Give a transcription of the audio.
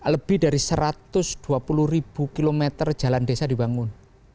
lebih dari satu ratus dua puluh ribu kilometer jalan desa dibangun